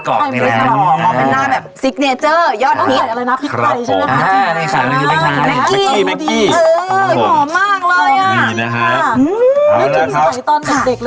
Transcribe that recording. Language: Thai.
ขอถามอ่าปีนี้พืชฟ้านี่ก็ยี่สิบเก้ามากดีค่ะ